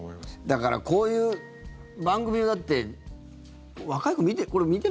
だからこういう番組だって若い子、見て。